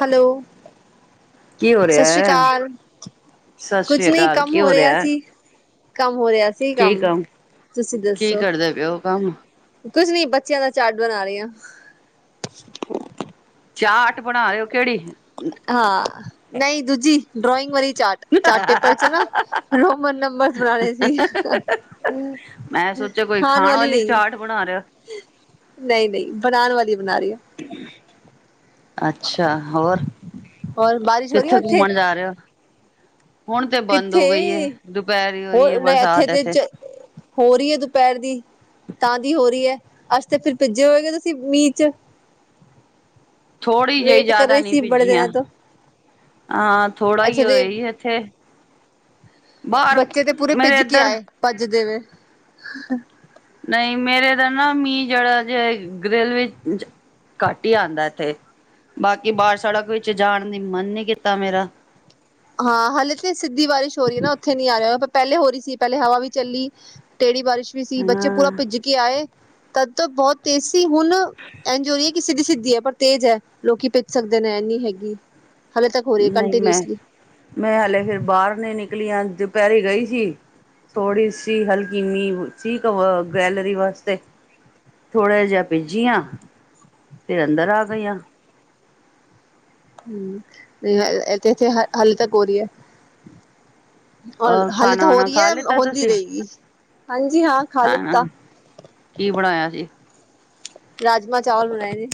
Hello, ਕੀ ਹੋ ਸਤਿ ਰਿਹਾ ਸ੍ਰੀ ਹੈ? ਅਕਾਲ। ਸਤਿ ਕੁਛ ਸ੍ਰੀ ਨਹੀਂ ਅਕਾਲ ਕੰਮ ਕੀ ਹੋ ਰਿਹਾ ਹੈ? ਸੀ। ਕੰਮ ਹੋ ਰਿਹਾ ਸੀ ਕੰਮ ਤੁਸੀਂ ਕੀ ਦੱਸੋ। ਕਰਦੇ ਪਏ ਹੋ ਕੰਮ? ਕੁਛ ਨੀ ਬੱਚਿਆਂ ਦਾ ਚਾਟ ਬਣਾ ਰਹੀ ਆ। ਚਾਟ ਬਣਾ ਰਹੇ ਕਿਹੜੀ। ਹਾਂ, ਨਹੀਂ ਦੂਜੀ ਡਰੋਇੰਗ ਵਾਰੀ ਚਾਰਟ। ਚਾਟ ਪੇਪਰ ਚ ਨਾ ਰੋਮਨ ਨੰਬਰ'ਸ' ਬਣਾਣੇ ਸੀ। ਮੈਂ ਸੋਚਿਆ ਕੋਈ ਖਾਣ ਵਾਲੀ ਨਹੀਂ। [unintelligible] ਨਹੀਂ, ਨਹੀਂ ਬਣਾਉਣ ਵਾਲੀ ਬਣਾ ਰਹੀ ਆ। [unintelligible] ਅੱਛਾ, ਹੋਰ ਹੋਰ ਬਾਰਿਸ਼ ਹੋ ਰਹੀ ਹੈ ਕਿੱਥੇ ਉੱਥੇ? ਘੁੰਮਣ ਜਾ ਰਹੇ ਹੋ। ਹੁਣ ਤੇ ਬੰਦ ਕਿੱਥੇ ਹੋ ਗਈ ਹੈ ਦੁਪਹਿਰ ਹੀ ਹੋਈ ਹੋਰ ਹੈ ਇੱਥੇ ਬਰਸਾਤ ਤੇ। ਹੋ ਰਹੀ ਹੈ ਦੁਪਹਿਰ ਦੀ ਤਾਂ ਦੀ ਹੋ ਰਹੀ ਹੈ, ਅੱਜ ਤੇ ਫਿਰ ਭਿੱਜੇ ਹੋਏ ਗੇ ਤੁਸੀਂ ਮੀਂਹ ਚ। ਥੋੜ੍ਹੀ ਜਿਹੀ ਵੇਟ ਕਰ ਜ਼ਿਆਦਾ ਰਹੇ ਨੀ ਸੀ ਬੜੇ ਭੀਜੀਆਂ ਦਿਨਾਂ ਤੋਂ। ਹਾਂ, ਥੋੜਾ ਇੱਥੇ ਜ ਦੇ ਹੋਏ ਸੀ ਇੱਥੇ। ਬਾਹਰ ਮੇਰੇ ਇੱਧਰ। ਭੱਜ ਦੇਵੇ। ਨਹੀਂ ਮੇਰੇ ਦਾ ਨਾ ਮੀਂਹ, ਜਿਹੜਾ ਜੇ ਗ੍ਰਿਲ ਵਿੱਚ। ਘੱਟ ਹੀ ਆਉਂਦਾ, ਇੱਥੇ ਬਾਕੀ ਬਾਰ ਸੜਕ ਵਿੱਚ ਜਾਣ ਦੀ ਮਨ ਨੀ ਕੀਤਾ ਮੇਰਾ। ਹਾਂ ਹਲੇੇ ਤੇ ਸਿੱਧੀ ਬਾਰਸ਼ ਹੋ ਰਹੀ ਹੈ, ਨਾ ਉੱਥੇ ਨਹੀਂ ਆ ਰਿਹਾ ਪਹਿਲੇ ਹੋ ਰਹੀ ਸੀ ਪਹਿਲੇ ਹਵਾ ਵੀ ਚੱਲੀ। ਟੇੜੀ ਬਾਰਿਸ਼ ਵੀ ਸੀ ਬੱਚੇ ਹਾਂ ਪੂਰਾ ਭਿੱਜ ਕੇ ਆਏ ਤਦ ਤੋਂ ਬਹੁਤ। ਤੇਜ ਸੀ ਹੁਣ ਇੰਝ ਹੋ ਰਹੀ ਹੈ। ਕਿ ਸਿੱਧੀ ਸਿੱਧੀ ਹੈ। ਪਰ ਤੇਜ ਹੈ ਲੋਕੀ ਭਿੱਜ ਸਕਦੇ ਨੇ ਇੰਨੀ ਹੈਗੀ। ਹਲੇੇ ਤੱਕ ਹੋ ਰਹੀ ਹੈ ਨਹੀਂ ਮੈਂ ਕੰਟੀਨਿਊਸਲੀ। ਮੈਂ ਹਲੇ ਫੇਰ ਬਾਹਰ ਨਹੀਂ ਨਿਕਲੀ ਅੱਜ ਦੁਪਹਿਰੇ ਗਈ ਸੀ। ਥੋੜ੍ਹੀ ਸੀ ਹਲਕੀ ਮੀਂਹ ਸੀ ਉਹ ਗੈਲਰੀ ਵਾਸਤੇ। ਥੋੜ੍ਹਾ ਜਿਹਾ ਭਿੱਜੀ ਆਂ ਫਿਰ ਅੰਦਰ ਆ ਗਈ ਆਂ। ਹੂੰ ਤੇ ਇਥ ਇੱਥੇ ਹ ਹਾਲੇ ਤੱਕ ਹੋ ਰਹੀ ਹੈ। ਔਰ ਹਲੇ ਖਾਣਾ ਤੋਂ ਹੋ ਵਾਣਾ ਰਹੀ ਖਾ ਹੈ ਲਿੱਤਾ ਹੁੰਦੀ ਤੁਸੀਂ ਰਹੇਗੀ ਹਾਂਜੀ ਹਾਂ ਖਾਂ ਖਾਣਾ ਲਿੱਤਾ। ਕੀ ਬਣਾਇਆ ਸੀ। ਰਾਜਮਾਂ ਚਾਵਲ ਬਣਾਏ ਨੇ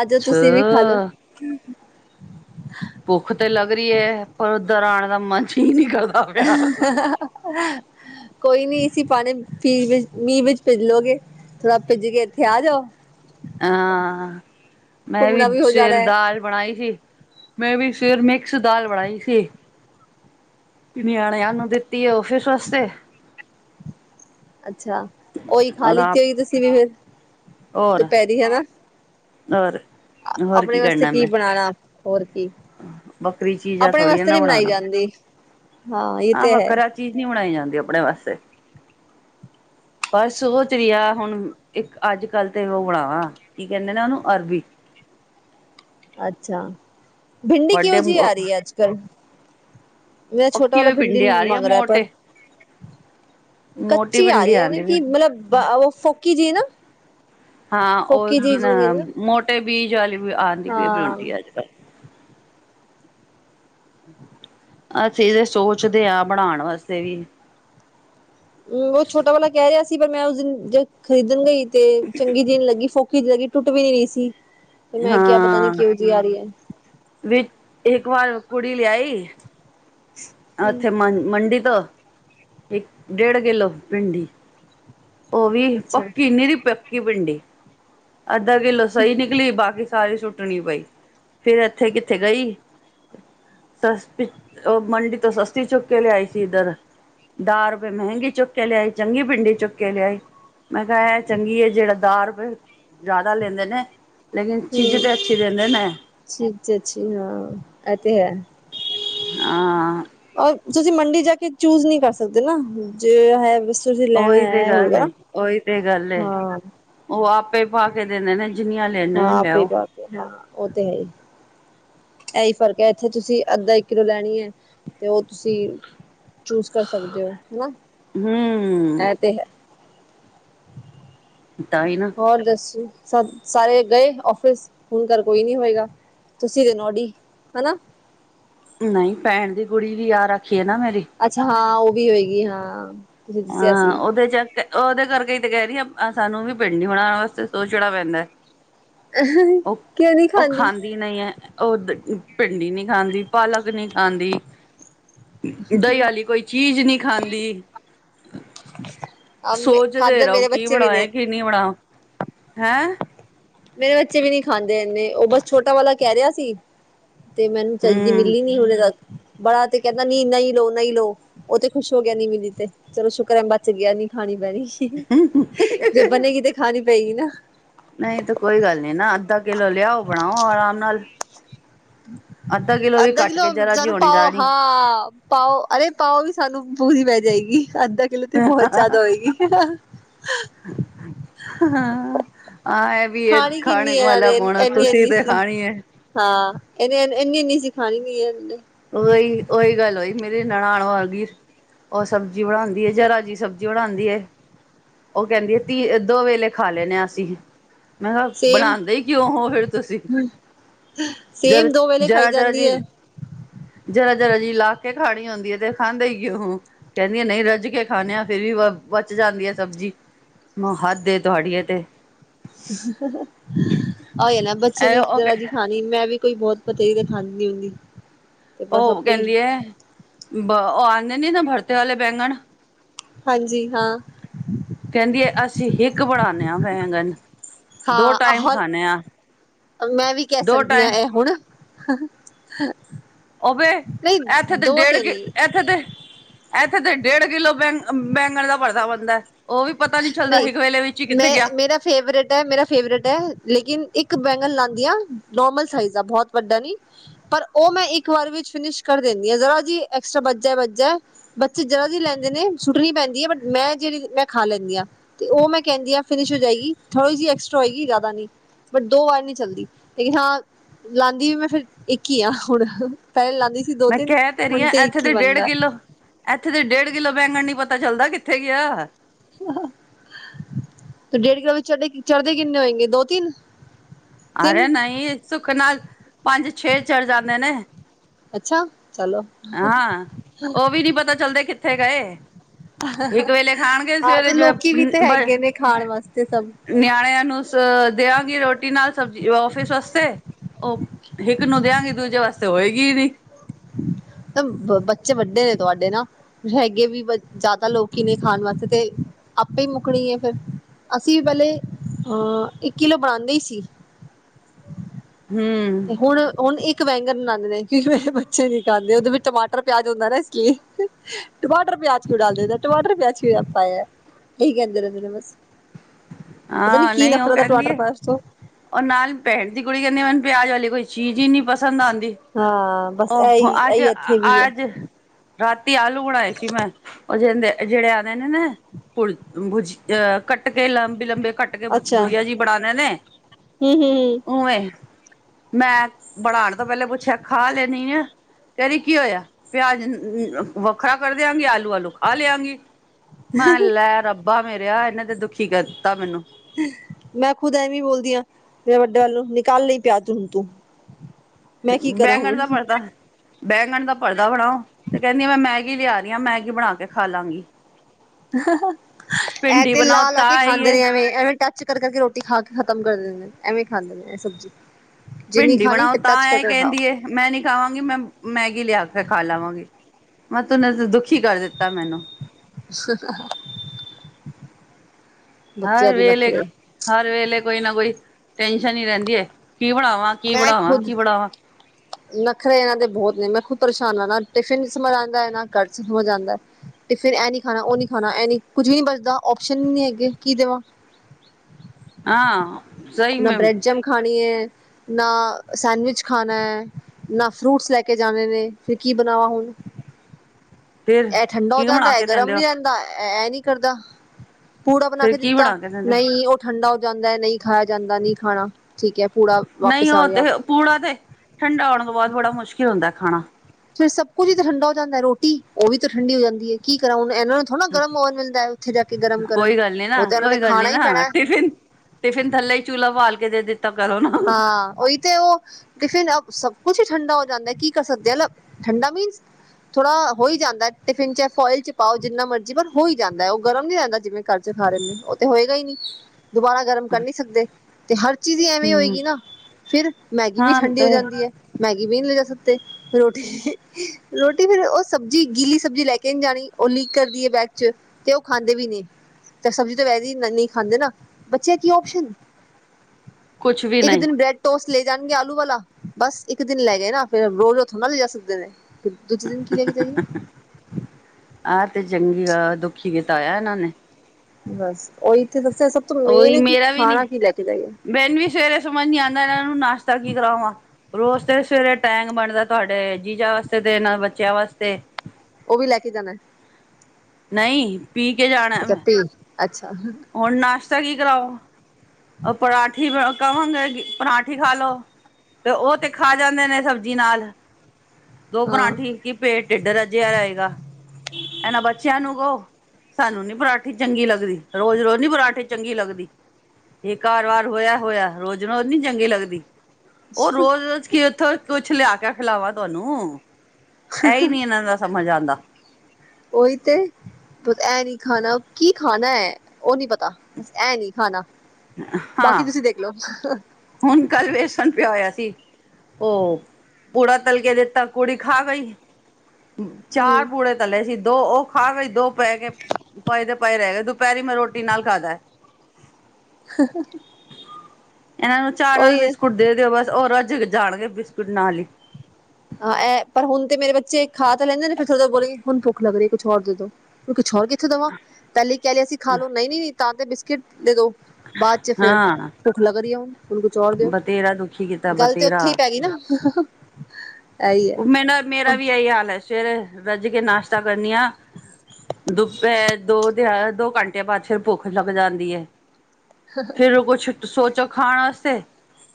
ਆਜੋ ਤੁਸੀਂ ਵੀ ਖਾ ਲੋ ਹੂੰ। ਭੁੱਖ ਤੇ ਲੱਗ ਰਹੀ ਹੈ ਪਰ ਉੱਧਰ ਆਉਣ ਦਾ ਮਨ ਨੀ ਨਹੀਂ ਕਰਦਾ। ਪਿਆ [unintelligible] ਕੋਈ ਨੀ ਅਸੀਂ ਪਾਣੇ ਪੀ ਵਿੱਚ ਮੀਂਹ ਵਿੱਚ ਭਿੱਜਲੋਗੇ ਥੋ੍ਹਾ ਭਿੱਜ ਕੇ ਇੱਥੇ ਆ ਜਾਓ। ਹਾਂ, ਮੈਂ ਵੀ ਘੁੰਮਣਾ ਹੋ ਜਾਣਾ ਸਵੇਰੇ ਹੈ ਦਾਲ ਬਣਾਈ ਸੀ। ਮੈਂ ਵੀ ਸਵੇਰ ਮਿਕਸ ਦਾਲ ਬਣਾਈ ਸੀ। ਨਿਆਣਿਆਂ ਨੂੰ ਦਿੱਤੀ ਔਫਿਸ ਵਾਸਤੇ। ਅੱਛਾ ਉਹੀ ਖਾ ਔਰ ਆਪ ਲਿੱਤੀ ਹੋਈ, ਤੁਸੀਂ ਵੀ ਫਿਰ ਹੋਰ ਦੁਪਹਿਰੀ ਹਨਾ। ਹੋਰ। ਹੋਰ ਆਪਣੇ ਵਾਸਤੇ ਕਰਨਾ ਕੀ ਮੈਂ ਬਣਾਣਾ ਹੋਰ ਕੀ। ਬੱਕਰੀ ਚੀਜ਼ਾਂ ਆਪਣੇ ਥੋੜ੍ਹੀਆਂ ਵਾਸਤੇ ਨਾ ਨੀ ਬਣਾਈ ਬਣਾਉਣਾ ਜਾਂਦੀ ਹਾਂ ਇਹ ਤੇ ਹੈ। ਚੀਜ਼ ਨ੍ਹੀ ਬਣਾਈ ਜਾਂਦੀ ਆਪਣੇ ਵਾਸਤੇ। ਪਰ ਸੋਚ ਰਹੀ ਹਾ ਹੁਣ ਇੱਕ ਅੱਜ ਕੱਲ ਤੇ ਉਹ ਬਣਾਵਾ, ਕਹਣਦੇ ਨੇ ਉਹ ਨੂੰ ਅਰਬੀ। ਅੱਛਾ, ਭਿੰਡੀ ਕਿਉਂ ਵੱਡੇ ਜਿਹੀ ਆ ਰਹੀ ਹੈ ਅੱਜ ਕਲ। ਮੇਰਾ ਛੋਟਾ ਪੱਕੀ ਵਾਲਾ ਹੋਈ ਆ ਭਿੰਡੀ ਰਹੀ ਆ ਮੰਗ ਰਿਹਾ ਪਰ। ਮੋਟੇ ਮੋਟੀ ਕੱਚੀ ਆ ਭਿੰਡੀ ਰਹੀ ਹੈ ਆਉਂਦੀ ਪਈ ਕਿ ਮਤਲਬ ਉਹ ਫੋਕੀ ਜਿਹੀ ਨਾ। ਹਾਂ ਉਹ ਫੋਕੀ ਜੀ ਕੀ ਨਾ ਜਿਵੇਂ ਕਹਿੰਦੇ ਮੋਟੇ ਬੀਜ ਵਾਲੀ ਵੀ ਆਉਂਦੀ ਨਾ ਪਈ ਹਾਂ ਅੱਜ ਕੱਲ। ਅਸੀਂ ਤਾਂ ਸੋਚਦੇ ਆ ਬਣਾਉਣ ਵਾਸਤੇ ਵੀ। ਹੂੰ, ਉਹ ਛੋਟਾ ਵਾਲਾ ਕਹਿ ਰਿਹਾ ਸੀ। ਪਰ, ਮੈਂ ਉਸ ਦਿਨ ਜਦੋਂ ਖਰੀਦਣ ਗਈ ਤੇ ਚੰਗੀ ਜੀ ਨਹੀਂ ਲੱਗੀ ਫੋਕੀ ਲੱਗੀ। ਟੁੱਟ ਵੀ ਨੀ ਰਹੀ ਸੀ, ਤੇ ਮੈਂ ਕਿਹਾ ਪਤਾ ਨੀ ਹਾਂ ਕਿਹੋ ਜਿਹੀ ਆ ਰਹੀ ਏ। ਵੀ, ਇੱਕ ਵਾਰ ਕੁੜੀ ਲਿਆਈ ਹੂੰ ਉੱਥੇ ਮੰ ਮੰਡੀ ਤੋਂ। ਇੱਕ-ਡੇਢ ਕਿੱਲੋ ਭਿੰਡੀ। ਉਹ ਵੀ ਅੱਛਾ ਪੱਕੀ, ਨਿਰੀ ਪੱਕੀ ਭਿੰਡੀ। ਅੱਧਾ ਕਿੱਲੋ ਸਹੀ ਨਿਕਲੀ, ਬਾਕੀ ਸਾਰੀ ਛੁ ਸੁੱਟਣੀ ਪਈ, ਫੇਰ ਇੱਥੇ ਕਿੱਥੇ ਗਈ। ਸਸਤੀ, ਉਹ ਮੰਡੀ ਤੋਂ ਸਸਤੀ ਚੁੱਕ ਕੇ ਲਿਆਈ ਸੀ ਇੱਧਰ। ਦਸ ਰੁਪਏ ਮਹਿੰਗੀ ਚੁੱਕ ਕੇ ਲਿਆਈ ਚੰਗੀ ਭਿੰਡੀ ਚੋਂ। ਚੁੱਕ ਕੇ ਲਿਆਈ। ਮੈਂ ਕਿਹਾ ਇਹ ਚੰਗੀ ਏ, ਜਿਹੜਾ ਦਸ ਰੁਪਏ ਜਿਆਦਾ ਲੈਂਦੇ ਨੇ। ਲੇਕਿਨ ਚੀਜ਼ਾਂ ਤਾਂ ਅੱਛੀ ਦਿੰਦੇ ਨੇ। ਚੀਜ਼ ਤਾਂ ਅੱਛੀ ਹਾਂ, ਇਹ ਤੇ ਹੈ। ਹਾਂ। ਔਰ, ਤੁਸੀਂ ਮੰਡੀ ਜਾ ਕੇ ਚੂਜ ਨਹੀਂ ਕਰ ਸਕਦੇ ਨਾ, ਜੇ ਹੈ ਤੁਸੀਂ ਲੈਣਾ ਉਹੀ ਤੇ ਗੱਲ ਹੋਏਗਾ ਹੈ। ਨਾ ਉਹੀ ਤੇ ਗੱਲ ਹੈ। ਹਾਂ ਉਹ ਆਪੇ ਪਾ ਕੇ ਦਿੰਦੇ ਨੇ ਜਿੰਨੀਆਂ ਹਾਂ, ਲੈਣੇ ਆਪੀ ਲਿਆਓ ਪਾ ਕੇ, ਹਾਂ ਉਹ ਤੇ ਹੈ ਹੀ। ਇਹੀ ਫਰਕ ਏ। ਇੱਥੇ ਤੁਸੀਂ ਅੱਧਾ-ਇੱਕ ਕਿੱਲੋ ਲੈਣੀ ਏ ਤੇ ਉਹ ਤੁਸੀਂ ਚੂਜ ਕਰ ਸਕਦੇ ਹੋ ਹਨਾ, ਹੂੰ ਇਹ ਤੇ ਹੈ। ਤਾਂ ਹੀ ਨਾ। ਹੋਰ ਦੱਸੋ? ਸਾਰੇ ਗਏ ਔਫਸ, ਹੁਣ ਘਰ ਕੋਈ ਨੀ ਹੋਏਗਾ? ਤੁਸੀਂ ਨੋਡੀਡੀ ਹਨਾ। [unintelligible] ਨਹੀਂ, ਭੈਣ ਦੀ ਗੁੜੀ ਵੀ, ਆ ਰੱਖੀਏ ਨਾ ਮੇਰੀ। ਅੱਛਾ! ਹਾਂ, ਉਹ ਵੀ ਹੋਏਗੀ, ਹਾਂ। ਤੁਸੀਂ ਦੱਸਿਆ ਹਾਂ, ਸੀ ਉਹਦੇ ਚ ਤੇ ਉਹਦੇ ਕਰਕੇ ਹੀ ਤੇ ਕਹਿ ਰਹੀ ਆਹ, ਸਾਨੂੰ ਵੀ ਪਿੰਡ ਹੀ ਬਣਾਉਣ ਵਾਸਤੇ ਸੋਚਣਾ ਪੈਂਦਾ। ਕਿਉਂ ਨੀ ਉਹ-ਉਹ ਖਾਂਦੀ ਨਹੀਂ ਏ, ਉਹ ਭਿੰਡੀ ਨਹੀਂ ਖਾਂਦੀ ਪਾਲਕ ਨੀ ਆਂਦੀ, ਦਹੀਂ ਆਲੀ ਕੋਈ ਚੀਜ਼ ਨਹੀਂ ਖਾਂਦੀ। ਆ ਸੋਚਦੇ ਖਾਂਦੇ ਰਹੋ, ਮੇਰੇ ਕੀ ਬੱਚੇ ਵੀ ਬਣਾਏ, ਨੇ ਕੀ ਨਹੀਂ ਬਣਾਵਾ, ਹੈਂ? ਮੇਰੇ ਬੱਚੇ ਵੀ ਨਹੀਂ ਖਾਂਦੇ ਇਨੇ, ਉਹ ਬਸ ਛੋਟਾ ਵਾਲਾ ਕਹਿ ਰਿਹਾ ਸੀ ਤੇ ਮੈਨੂੰ ਚਜਦੀ ਹਮ ਮਿਲੀ ਨੀ, ਤੇ ਬੜਾ ਤੇ ਕਹਿੰਦਾ ਨਹੀਂ ਲੋਓ ਨਹੀਂ ਲੋਓ। ਉਹ ਤੇ ਖੁਸ਼ ਹੋ ਗਿਆ, ਨੀ ਮਿਲੀ ਤੇ, ਚਲੋ ਸ਼ੁਕਰ ਹੈ, ਬਚ ਗਿਆ ਨੀ ਖਾਣੀ ਪੈਣੀ। ਜੇ ਬਣੇਗੀ, ਤੇ ਖਾਣੀ ਪਏਗੀ ਨਾ। ਨਹੀਂ, ਤਾਂ ਕੋਈ ਗੱਲ ਨੀ ਨਾ, ਅੱਧਾ ਕਿੱਲੋ ਲਿਆਓ ਬਣਾਓ, ਆਰਾਮ ਨਾਲ। ਵੀ ਅੱਧਾ ਕੱਟ ਕਿੱਲੋ ਕੇ ਜਰਾ ਜੀ ਸਾਨੂੰ ਹੋਣੀ ਪਾਓ ਜਾਣੀ ਹਾਂ। ਪਾਓ ਅਰੇ ਪਾਓ ਵੀ ਸਾਨੂੰ ਪੂਰੀ ਪੈ ਜਾਏਗੀ ਅੱਧਾ ਕਿਲੋ ਤਾ ਬਹੁਤ ਜਿਆਦਾ ਹੋਏਗੀ। ਹਾਂ, ਇਹ ਵੀ ਇਹ, ਖਾਣੀ ਖਾਣੇ ਕਿੰਨੀ ਹੈ ਇਹਨਾਂ ਵਾਲਾ ਨੇ ਕੌਣ? ਇੰਨੀ ਤੁਸੀਂ ਇੰਨੀ ਤੇ ਸੀ ਖਾਣੀ ਏ। ਹਾਂ, ਇਹਨੇ ਇੰਨੀ, ਇੰਨੀ ਨਹੀਂ ਸੀ ਖਾਣੀ ਐਨੇ। ਉਹੀ-ਉਹੀ ਗੱਲ ਹੋਈ, ਮੇਰੀ ਨਨਾਣ ਵੱਲ ਗਈ। ਉਹ ਸਬਜ਼ੀ ਬਣਾਉਂਦੀ ਏ, ਜ਼ਰਾ ਜੀ ਸਬਜ਼ੀ ਬਣਾਉਦੀਏ। ਉਹ ਕਹਿੰਦੀ ਏ, ਦੀ, ਦੋ-ਵੇਲੇ ਖਾ ਲੈਣੇ ਹਾਂ ਅਸੀਂ। ਮੈਂ ਕਿਹਾ, ਸੇਮ ਬਣਾਉਂਦੇ ਹੀ ਕਿਉਂ ਹੋ ਫਿਰ ਤੁਸੀਂ? ਜਦ, ਸੇਮ ਦੋ ਵੇਲੇ ਖਾਈ ਜਰਾ-ਜਰਾ ਜਾਂਦੀ ਜੀ। ਹੈ ਜਰਾ-ਜਰਾ ਜੀ ਲਾ ਕੇ ਖਾਣੀ ਹੁੰਦੀ ਹੈ, ਤੇ ਖਾਂਦੇ ਹੀ ਕਿਉਂ ਹੋ? ਕਹਿੰਦੀਆਂ ਨਹੀਂ, ਰੱਜ ਕੇ ਖਾਣੇ ਆ, ਫੇਰ ਵੀ ਬਚ ਜਾਂਦੀ ਏ ਸਬਜ਼ੀ। ਮੈਂ ਕਿਹਾ ਹੱਦ ਏ ਤੁਹਾਡੀ ਇਹ ਤੇ। ਉਹੀ ਨਾ, ਬੱਚਿਆਂ ਇਹ ਨੇ ਉਹ ਜਰਾ ਜੀ ਖਾਣੀ ਮੈਂ ਵੀ ਕੋਈ ਬਹੁਤ ਪਤਾ ਹੀ ਤਾਂ ਖਾਂਦੀ ਨੀ ਹੁੰਦੀ। ਤੇ ਬਸ ਉਹ ਆਪੇ ਹੀ ਕਹਿੰਦੀ ਹੈ, ਬ, ਉਹ ਆਉਂਦੇ ਨੇ ਹੁੰਦੇ ਭੜਤੇ ਵਾਲੇ ਬੈਂਗਣ ਹਾਂਜੀ ਹਾਂ ਕਹਿੰਦੀ ਹੈ ਅਸੀਂ ਹਿੱਕ ਬਣਾਨੇ ਆ ਬੈਂਗਨ ਹਾਂ ਆ ਮੈਂ ਵੀ ਕਹਿ ਦੋ ਸਕਦੀ ਹਾਂ ਟਾਈਮ ਇਹ ਹੁਣ [unintelligible] ਉਹਵੇ ਨਹੀਂ ਇੱਥੇ ਤੇ ਦੋ ਡੇੜ ਕੇ ਨਹੀਂ ਇੱਥੇ ਤੇ ਇੱਥੇ ਤੇ ਡੇਢ ਕਿਲੋ ਬੈਂ ਬੈਂਗਣ ਦਾ ਪਰਥਾ ਬਣਦਾ। ਉਹ ਵੀ ਪਤਾ ਨੀ ਚੱਲਦਾ ਨਹੀਂ ਹਿਕ ਵੇਲੇ ਵਿੱਚ ਹੀ ਕਿੱਥੇ ਮੈਂ ਗਿਆ। ਮੇਰਾ ਫੇਵਰੇਟ ਮੇਰਾ ਫੇਵਰੇਟ ਹੈ ਲੇਕਿਨ ਇੱਕ ਬੈਗਲ ਲੱਗ ਗਿਆ ਨੋਮਲ ਸਾਈਜ਼ ਆ ਬਹੁਤ ਵੱਡਾ ਨਹੀਂ ਪਰ ਉਹ ਮੈਂ ਇੱਕ ਵਾਰ ਵਿਚ ਫਿਨਿਸ਼ ਕਰ ਦਿੰਦੀ ਹਾਂ ਜ਼ਰਾ ਜੀ, ਐਕਸਟ ਬਚ ਵੱਜਾ ਬੱਚੇ ਜਰਾ ਹੀ ਲੈਂਦੇ ਨੇ ਸੁੱਟਨੀ ਪੈਂਦੀ ਹੈ ਬਟ ਮੈਂ ਜਿਹੜੀ ਮੈਂ ਖਾ ਲੈਂਦੀ ਆ ਤੇ ਉਹ ਮੈਂ ਕਹਿੰਦੀ ਆ ਫਿਸ਼ ਹੋ ਜਾਏਗੀ ਥੋੜੀ ਜਿਹੀ ਐਕਸਟਰਾ ਹੋਏਗੀ ਜ਼ਿਆਦਾ ਨੀ ਪਰ ਦੋ ਵਾਰ ਨਹੀਂ ਚੱਲਦੀ ਤੇ ਹਾਂ। ਲਾਂਦੀ ਵੀ ਮੈਂ ਫਿਰ ਇੱਕ ਹੀ ਆ ਹੁਣ ਪਹਿਲੇ ਲਾਂਦੀ। ਸੀ ਦੋ ਮੈਂ ਤਿੰਨ ਕਹਿ ਤਾਂ ਰਹੀ ਹੁਣ ਆ ਇੱਥੇ ਇੱਕ ਹੀ ਤੇ ਡੇਢ ਬਣਦਾ ਕਿਲੋ ਇੱਥੇ ਤੇ ਡੇਢ ਕਿਲੋ ਬੈਂਗਣ ਨੀ ਪਤਾ ਚੱਲਦਾ ਕਿੱਥੇ ਗਿਆ। ਡੇਢ ਕਿਲੋ [unintelligible] ਕਿੰਨੇ ਹੋਏਗੇ ਦੋ ਤਿੰਨ ਅਰੇ ਤਿੰਨ ਨਹੀਂ ਸੁੱਖ ਨਾਲ ਪੰਜ ਛੇ ਚੜ ਜਾਂਦੇ ਨੇ ਅੱਛਾ ਚਲੋ। ਹਾਂ ਉਹ ਵੀ ਨੀ ਪਤਾ ਚੱਲਦਾ ਕਿੱਥੇ ਗਏ। ਇੱਕ ਵੇਲੇ ਖਾਣਗੇ ਹਾਂ ਤੇ ਸਵੇਰੇ ਲੋਕੀ ਵੀ ਤੇ ਜਿਵੇਂ ਹੈਗੇ ਨੇ ਖਾਣ ਵਾਸਤੇ ਸਭ [unintelligible] ਨਿਆਣਿਆਂ ਨੂੰ ਦੇਵਗੀ ਰੋਟੀ ਨਾਲ ਸਬਜ਼ੀ ਆਫਿਸ ਵਾਸਤੇ, ਉਹ ਇੱਕ ਨੂੰ ਦਿਆਂਗੀ ਦੂਜੇ ਵਾਸਤੇ ਹੋਏਗੀ ਨੀ ਬੱਚੇ ਵੱਡੇ ਨੇ ਤੁਹਾਡੇ ਨਾ ਹੈਗੇ ਵੀ ਜ਼ਿਆਦਾ ਲੋਕੀ ਨੇ ਖਾਣ ਵਾਸਤੇ ਤੇ ਆਪੇ ਹੀ ਮੁੱਕਣੀ ਹੈ ਫਿਰ ਅਸੀਂ ਪਹਿਲੇ ਅਹ ਇੱਕ ਕਿਲੋ ਬਣਾਉਂਦੇ ਹੀ ਸੀ। ਹੂ,,, ਤੇ ਹੁਣ ਹੁਣ ਇੱਕ ਬੈਂਗਨ ਬਣਾਉਂਦੇ ਨੇ ਕਿਉਂਕਿ ਮਰੇ ਬੱਚੇ ਨੀ ਖਾਂਦੇ ਉਹਦੇ ਵਿੱਚ ਟਮਾਟਰ ਪਿਆਜ ਹੁੰਦਾ ਨਾ ਇਸ ਲਈ ਟਮਾਟਰ ਪਿਆਜ ਕਿਉਂ ਡਾਲ ਦਿੰਦਾ ਟਮਾਟਰ ਪਿਆਜ ਕਿਉਂ ਪਾਇਆ ਇਹੀ ਕਹਿੰਦੇ ਰਹਿੰਦੇ ਨੇ ਬਸ ਪਤਾ ਨੀ ਹਾਂ ਕੀ ਨਹੀਂ ਉਹ ਨਫ਼ਰਤ ਦਾ ਕਹਿੰਦੀ ਟਮਾਟਰ ਹੈ ਪਿਆਜ਼ ਤੋਂ ਉਹ ਨਾਲ ਭੈਣ ਦੀ ਕੁੜੀ ਅੰਨੇ ਵੱਲ ਪਿਆਜ ਵਾਲੀ ਕੋਈ ਚੀਜ਼ ਹੀ ਨਹੀਂ ਪਸੰਦ ਆਉਂਦੀ ਹਾਂ ਬਸ ਉਹ ਇਹੀ ਅੱਜ ਇਹੀ ਇੱਥੇ ਵੀ ਹੈ ਅੱਜ ਰਾਤੀ ਆਲੂ ਬਣਾਏ ਸੀ ਮੈਂ ਉਹ ਜਹਿੰਦੇ ਜਿਹੜੇ ਆਦੇ ਨੇ ਨਾ ਪੁੱਲ ਬਛ ਅਹ ਕਟ ਕੇ ਲੰਬੇ ਲੰਬੇ ਕੱਟ ਕੇ ਅੱਛਾ ਬੂਜੀਆ ਜੀ ਬਣਾਣੇ ਨੇ ਹਮ ਹਮ ਹਮ ਉਵੇਂ ਮੈਂ ਬਣਾਉਣ ਤੋਂ ਪਹਿਲੇ ਪੁੱਛਿਆ ਖਾ ਲੈਣੀ ਆ। ਕਹਿ ਰਹੀ ਕੀ ਹੋਇਆ ਪਿਆਜ ਵੱਖਰਾ, ਕਰ ਦਿਆਂਗੇ ਆਲੂ-ਆਲੂ ਖਾ ਲਿਆਂਗੀ। ਮੈਂ ਲੈ ਰੱਬਾ ਮੇਰਿਆ ਇੰਨੇ ਤੇ ਦੁਖੀ ਕਰ ਦਿੱਤਾ ਮੈਨੂੰ ਮੈਂ ਖੁਦ ਐਵੇਂ ਬੋਲਦੀ ਆ ਮੇਰਾ ਵੱਡੇ ਵੱਲੋਂ ਨਿਕਾਲ ਲਈ ਪਿਆਜ਼ ਤੂੰ ਹੁਣ ਤੂੰ ਮੈਂ ਕੀ ਕਰਾਂ ਬੈਂਗਣ ਹੁਣ ਦਾ ਪਰਥਾ ਬੈਂਗਣ ਦਾ ਪਰਥਾ ਬਣਾਓ। ਤੇ ਕਹਿੰਦੀ ਆ ਮੈਂ ਮੈਗੀ ਲਿਆ ਰਹੀ ਹਾਂ ਮੈਗੀ ਬਣਾ ਕੇ ਖਾ ਲਾਂਗੀ। ਐ ਭਿੰਡੀ ਤੇ ਬਣਾਓ ਲਾ ਲਾ ਤਾਂ ਕੇ ਆਈ ਖਾਂਦੇ ਏ ਨੇ ਐਵੇਂ ਐਵੇਂ ਟੱਚ ਕਰ ਕਰਕੇ ਰੋਟੀ ਖਾ ਕੇ ਖਤਮ ਕਰ ਦਿੰਦੇ ਨੇ ਐਵੇਂ ਖਾਂਦੇ ਨੇ ਇਹ ਸਬਜ਼ੀ, ਜਿੰਨੀ ਭਿੰਡੀ ਖਾਣੀ ਬਣਾਓ ਤੇ ਤਾਂ ਟੱਚ ਐ ਕਰਕੇ ਖਾਓ ਕਹਿੰਦੀ ਏ ਮੈਂ ਨੀ ਖਾਵਾਂਗੀ ਮੈਂ ਮੈਗੀ ਲਿਆ ਕੇ ਖਾ ਲਾਵਾਂਗੀ। ਮੱਤ ਨੇ ਦੁਖੀ ਕਰ ਦਿੱਤਾ ਮੈਨੂੰ [unintelligible] ਬੱਚਿਆਂ ਹਰ ਦੇ ਵੇਲੇ ਨਖਰੇ ਹਰ ਵੇਲੇ ਕੋਈ ਨਾ ਕੋਈ ਟੈਨਸ਼ਨ ਨੀ ਰਹਿੰਦੀ ਹੈ ਕੀ ਬਣਾਵਾਂ। ਕੀ ਮੈਂ ਬਣਾਵਾਂ ਖੁਦ ਕੀ [inaudible] ਨਖਰੇ ਇਹਨਾਂ ਦੇ ਬਹੁਤ ਨੇ ਮੈਂ ਖੁਦ ਪਰੇਸ਼ਾਨ ਟਿਫਿਨ ਸਮਝਦਾ ਆਂਦਾ ਨਾ ਘਰ ਸਮਝਉਂਦਾ ਆਂਦਾ ਤੇ ਫਿਰ ਇਹ ਨੀ ਖਾਣਾ ਉਹ ਨੀ ਖਾਣਾ ਇਹ ਨੀ ਕੁੱਝ ਵੀ ਨਹੀਂ ਬਚਦਾ ਆਪਓਸ਼ਨ ਹੀ ਨੀ ਹੈਗੇ ਕੀ ਦੇਵਾਂ ਹਾਂ ਸਹੀ ਨਾ ਮੈਂ ਬ੍ਰੈਡ ਜੈਮ ਖਾਣੀ ਹੈ ਨਾ ਸੈਂਡਵਿਚ ਖਾਣਾ ਹੈ ਨਾ ਫਰੂਟਸ ਲੈ ਕੇ ਜਾਣੇ ਨੇ ਫਿਰ ਕੀ ਬਣਾਵਾਂ ਹੁਣ ਫਿਰ ਇਹ ਠੰਡਾ ਹੋ ਕੀ ਬਣਾ ਜਾਂਦਾ ਇਹ ਕੇ ਗਰਮ ਦਿੰਦੇ ਨੀ ਹੋ ਰਹਿੰਦਾ ਇਹ ਨਹੀਂ ਕਰਦਾ ਪੂੜਾ ਬਣਾ ਕੇ ਫਿਰ ਕੀ ਦਿੱਤਾ ਕੇ ਦਿੰਦੇ ਹੋ ਨਹੀਂ ਉਹ ਠੰਡਾ ਹੋ ਜਾਂਦਾ ਨਹੀਂ ਖਾਇਆ ਜਾਂਦਾ ਨਹੀਂ ਖਾਣਾ ਠੀਕ ਹੈ ਪੂੜਾ ਨਹੀਂ ਵਾਪਿਸ ਆ ਉਹ ਤੇ ਗਿਆ ਪੂੜ ਤੇ ਠੰਡਾ ਆਉਣ ਤੋਂ ਬਾਅਦ ਬਥੋੜਾ ਮੁਸ਼ਕਿਲ ਹੁੰਦਾ ਖਾਣਾ ਫੇਰ ਸਭ ਕੁੱਝ ਹੀ ਤਾਂ ਠੰਡਾ ਹੋ ਜਾਂਦਾ ਰੋਟੀ ਉਹ ਵੀ ਤਾਂ ਠੰਡੀ ਹੋ ਜਾਂਦੀ ਹੈ ਕੀ ਕਰਾਂ ਹੁਣ ਇਹਨਾਂ ਨੂੰ ਥੋੜ੍ਹਾ ਗਰਮ ਓਵਨ ਮਿਲਦਾ ਉੱਥੇ ਜਾ ਕੇ ਗਰਮ ਕਰਨ ਕੋਈ ਗੱਲ ਨੀ ਨਾ ਉਹ ਤਾਂ ਇਹਨਾਂ ਨੇ ਖਾਣਾ ਹੀ ਪੈਣਾ ਤੇ ਫਿਰਨ ਥੱਲ ਹੀ ਚੂਲਾ ਬਾਲ ਕੇ ਦੇ ਦਿੱਤਾ ਕਰੋ ਨਾ ਹਾਂ ਉਹੀ ਤੇ ਉਹ ਟਿਫਿਨ ਸਭ ਕੁਛ ਹੀ ਠੰਡਾ ਹੋ ਜਾਂਦਾ ਕੀ ਕਰ ਸਕਦੇ ਠੰਡਾ ਮੀਨਸ ਥੋੜਾ ਹੋਈ ਜਾਂਦਾ ਟਿਫਿਨ ਚ ਫੋਇਲ ਚ ਪਾਓ ਜਿੰਨਾ ਮਰਜੀ ਪਰ ਹੋਈ ਜਾਂਦਾ ਉਹ ਗਰਮ ਨੀ ਰ ਜਾਂਦਾ ਜਿਵੇਂ ਕਰਜ਼ ਖਾ ਰਿੰ ਨੇ ਉਹ ਤੇ ਹੋਏਗਾ ਹੀ ਨੀ ਦੁਬਾਰਾ ਗਰਮ ਕਰ ਨੀ ਸਕਦੇ ਤੇ ਹਰ ਚੀਜ਼ ਐਵੇਂ ਹੂੰ। ਹੋਏਗੀ ਨਾ ਫਿਰ ਮੈਗੀ ਵੀ ਹਾਂ ਠੰਡੀ ਤੇ ਹੋ ਜਾਂਦੀ ਹੈ ਮੈਗੀ ਵੀ ਨਹੀਂ ਲਗਾ ਸਕਤੇ ਰੋਟੀ ਰੋਟੀ ਫੇਰ ਉਹ ਸਬਜ਼ੀ ਗੀਲੀ ਸਬਜ਼ੀ ਲੈ ਕੇ ਨੀ ਜਾਣੀ ਉਹ ਲੀਕ ਕਰਦੀ ਹੈ ਬੈਗ ਚ ਤੇ ਉਹ ਖਾਂਦੇ ਵੀ ਨੇ ਤੇ ਸਬਜ਼ੀ ਤੋਂ ਵੈ ਨਹੀਂ ਖਾਂਦੇ ਨਾ ਬੱਚੇ ਕੀ ਓਸ਼ਨ ਕੁਛ ਵੀ ਇੱਕ ਨਹੀਂ ਦਿਨ ਬ੍ਰੈਡ ਟੋਸ ਲੈ ਜਾਣਗੇ ਆਲੂ ਵਾਲਾ ਬਸ ਇੱਕ ਦਿਨ ਲੈ ਗਏ ਨਾ ਫੇਰ ਰੋਜ਼ ਥੋਂੜ ਨਾ ਲੈ ਜਾ ਸਕਦੇ ਨੇ ਅਤੇ ਦੂਜੇ ਦਿਨ ਕੀ ਲ ਹੈਗੀ ਤੁ ਜੀ ਆਹ ਤੇ ਚੰਗੀ ਆ ਦੁਖੀ ਕੀਤਾ ਹੋਇਆ ਇਹਨਾਂ ਨੇ ਬਸ ਉਹ ਇੱਥੇ ਦੱਸਿਆ ਸਭ ਤੋਂ ਮੇਨ ਉਹੀ ਹੈ ਕਿ ਮੇਰਾ ਵੀ ਖਾਣਾ ਨੀ ਕੀ ਲੈ ਕੇ ਜਾਏਗਾ ਮੈਨੂੰ ਵੀ ਸਵੇਰੇ ਸਮਝ ਨੀ ਆਉਂਦਾ ਇਹਨਾਂ ਨੂੰ ਨਾਸ਼ਤਾ ਕੀ ਕਰਾਵਾਂ ਰੋਜ਼ ਤੇ ਸਵੇਰੇ ਟੈਂਗ ਬਣਦਾ ਤੁਹਾਡੇ ਜੀਜਾਂ ਵਾਸਤੇ ਤੇਨਾਂ ਬੱਚਿਆਂ ਵਾਸਤੇ ਉਹ ਵੀ ਲੈ ਕੇ ਜਾਣਾ ਨਹੀਂ ਪੀ ਕੇ ਜਾਣਾ ਅੱਛਾ ਮੈਂ ਪੇ ਅੱਛਾ ਹੁਣ ਨਾਸ਼ਤਾ ਕੀ ਕਰਾਓ ਉਹ ਪਰਾਂਠੀ ਕਹਾਂ ਪਰਾਂਠੀ ਖਾ ਲੋ ਤੇ ਉਹ ਤੇ ਖਾ ਜਾਂਦੇ ਨੇ ਸਬਜ਼ੀ ਨਾਲ ਦੋ ਹਾਂ ਪਰਾਂਠੀ ਕੀ ਪੇਟ ਢਿੱਡ ਰੱਜਿਆ ਰਹੇਗਾ ਇਹਨਾਂ ਬੱਚਿਆਂ ਨੂੰ ਕਹੋ ਸਾਨੂੰ ਨੀ ਪਰਾਠੀ ਚੰਗੀ ਲੱਗਦੀ ਰੋਜ਼ ਰੋਜ਼ ਨੀ ਪਰਰਾਠੀ ਚੰਗੀ ਲੱਗਦੀ ਇਹ ਘਰ ਵਾਰ ਹੋਇਆ ਹੋਇਆ ਰੋਜ਼ ਨੂੰ ਨੀ ਚੰਗੀ ਲੱਗਦੀ ਉਹ ਰੋਜ਼ ਰੋਜ਼ ਕੀ ਉੱਥੋਂ ਕੁਛ ਲਿਆ ਕੇ ਖਿਲਾਵਾਂ ਤੁਹਾਨੂੰ ਇਹ ਹੀ ਨੀ ਇਹਨਾਂ ਦਾ ਸਮਝ ਆਉਂਦਾ ਉਹੀ ਤੇ ਬ ਐ ਨੀ ਖਾਣਾ ਕੀ ਖਾਣਾ ਹੈ ਉਹ ਨਹੀਂ ਪਤਾ ਐ ਨੀ ਖਾਣਾ ਹਾਂ ਬਾਕੀ ਤੁਸੀਂ ਦੇਖਲਓ ਹੁਣ ਕੱਲ੍ਹ ਵੇਸਣ ਪਿਆ ਹੋਇਆ ਸੀ ਉਹ ਪੂੜਾ ਤਲ ਕੇ ਦਿੱਤਾ ਕੁੜੀ ਖਾ ਗਈ ਚਾਰ ਹਮ ਪੂੜ ਤਥੱਲੇ ਸੀ ਦੋ ਉਹ ਖਾ ਕੇ ਦੋ ਪੈ ਕੇ ਪਏ ਤੇ ਪਏ ਰਹਿ ਗਏ ਦੁਪਹਿਰੀ ਮੈਂ ਰੋਟੀ ਨਾਲ ਖਾਦਾ ਹ ਇਹਨਾਂ ਨੂੰ ਚਾਹ ਨਾਲ ਬਿਸਕੁਟ ਦੇ ਦਿਓ ਬਸ ਹੋਰ ਰਜ ਜਾਣਗੇ ਬਿਸਕੁਟ ਨਾਲ ਹੀ ਆਹ ਇਹ ਪਰ ਹੁਣ ਤੇ ਮੇਰੇ ਬੱਚੇ ਖਾ ਤਾਂ ਲੈਂਦੇ ਨੇ ਬੋਲ ਹੁਣ ਭੁੱਖ ਲੱ ਰਹੀ ਕੁਛ ਹੋਰ ਜਦੋਂ ਹੁਣ ਹੋਰ ਕੁਝ ਉਥੋਂ ਦਵਾਂ ਪਹਿਲੇ ਕਹਿ ਲ ਅਸੀਂ ਖਾ ਲੋੋ ਨਹੀਂ ਨ ਤਾਂ ਤੇ ਬਿਸਕਿਟ ਦੇ ਦੋ ਬਾਅਦ ਚ ਫੇਿਰ ਹਾਂ ਭੁੱਖ ਲੱਗ ਰਹੀ ਹੈ ਹੁਣ ਹਣੂੰ ਕੁ ਚੋਰ ਦਿਓ ਬਥੇਰਾ ਦੁਖੀ ਕੀਤਾ ਗੱਲ ਤੇ ਬਥੇਰਾ ਉੱਥੇ ਹੀ ਪੈ ਗਈ ਨਾ ਇਹੀ ਹੈ। ਮੇਰਾ ਮੇਰਾ ਵੀ ਇਹੀ ਹਾਲ ਹੈ ਸਵੇਰੇ ਰੱਜ ਕੇ ਨਾਸ਼ਤਾ ਕਰਨੀ ਆ ਦੁੱਪ ਦੋ ਦੋ ਘੰਟਿਆਂ ਬਾਅਦ ਫਿਰ ਭੁੱਖ ਲੱਗ ਜਾਂਦੀ ਹੈ [unintelligible] ਸੋਚੋ ਖਾਣ ਆਸਤੇ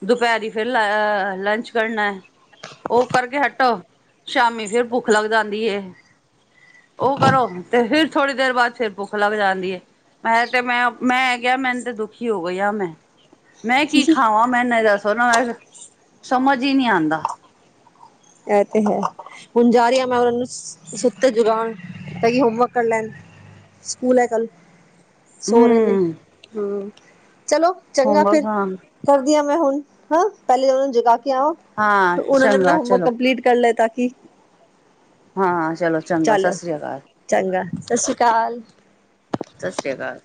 ਦੁਪਹਿਰੀ ਫਿਰ ਲੰਚ ਕਰਨਾ। [unintelligible] ਓ ਕਰਕੇ ਹਟੋ ਸ਼ਾਮੀ ਫੇਰ ਭੁੱਖ ਲੱਗ ਜਾਂਦੀ ਐ ਓ ਕਰੋ ਤੇ ਫਿਰ ਥੋੜ੍ਹੀ ਦੇਰ ਬਾਅਦ ਫਿਰ ਭੁੱਖ ਲੱਗ ਜਾਂਦੀ ਐ। ਮੈਂ ਤੇ ਮੈਂ ਮੈਂ ਕਿਆ ਮੈਨੂੰ ਤੇ ਦੁਖੀ ਹੋ ਗਈ ਆ ਮੈਂ ਮੈਂ ਕੀ ਖਾਵਾਂ ਮੈ ਨਹੀਂ ਦੱਸੋ ਨਾ ਮੈ ਸਮਝ ਈ ਨੀ ਆਉਂਦਾ ਐ ਤੇ ਹੈ ਹੁਣ ਜਾ ਰੲਈ ਮੈਂ ਓਨਾ ਨੂੰ ਸੁੱਤੇ ਜਗਾਣ ਤਾਂ ਕਿ ਹੋਮਵਰਕ ਕਰ ਲੈਣ ਸਕੂਲ ਐ ਕੱਲ ਸੋ ਰਹੇ ਨੇ ਹਮ ਹੂੰ ਚਲੋ ਚੰਗਾ ਹੋਮਵਰਕ ਫਿਰ ਹਾਂ ਕਰਦੀ ਆ ਮੈਂ ਹੁਣ ਹਾਂ ਪਹਿਲੇ ਊਨੂੰ ਜਗਾ ਕੇ ਆਵਾਂ ਹਾਂ ਤੇ ਉਨਾਂ ਨੇ ਮੈਂ ਚੰਗਾ ਹੂੰ ਚਲੋ ਡਲੀਟ ਕਰ ਲੈ ਤਾਂ ਕਿ ਹਾਂ ਚਲੋ ਚੰਗਾ ਚਲੋ ਸਸ੍ਰੀ ਅਕਾਲ ਚੰਗਾ ਸਸ ਸ੍ਰੀ ਅਕਾਲ। ਸਸ਼੍ਰੀ ਅਕਾਲ।